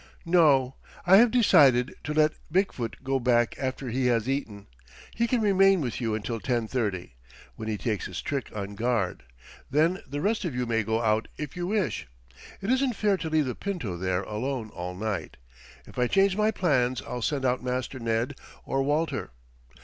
"No; I have decided to let Big foot go back after he has eaten. He can remain with you until ten thirty, when he takes his trick on guard. Then the rest of you may go out if you wish. It isn't fair to leave the Pinto there alone all night. If I change my plans I'll send out Master Ned or Walter.